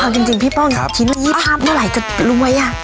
เอาจริงพี่ป้องชิ้นละ๒๕เมื่อไหร่จะรวย